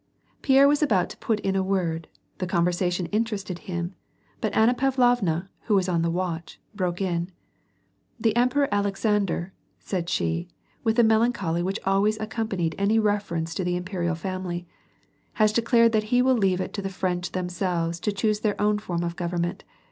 Pierre was about to put in a word, the conversation interested him, but Anna Pavlovna, who was on the watch, broke in, —" The Emperor Alexander," said she, with the melancholy which always accompanied any reference to the imperial fam> ily, ^'has declared that he will leave it to the French them selves to choose their own form of government.